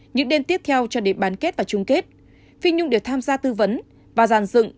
những đêm tiếp theo cho đến bán kết và chung kết phinh nhung đều tham gia tư vấn và giàn dựng